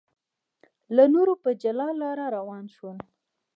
له نورو په جلا لار روان شول.